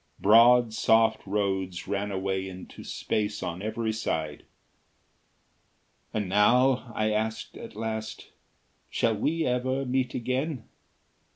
Broad, soft roads ran away into space on every side. "And now ..." I asked, at last, "shall we ever meet again?"